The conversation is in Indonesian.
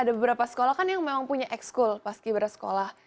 ada beberapa sekolah kan yang memang punya ex school pas kibra sekolah